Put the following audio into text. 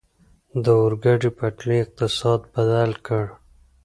د اورګاډي پټلۍ اقتصاد بدل کړ.